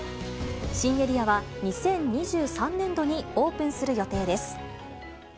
新エリアは、２０２３年度にオープンする予定です。